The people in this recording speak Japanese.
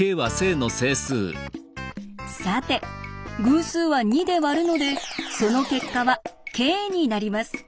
さて偶数は２で割るのでその結果はｋになります。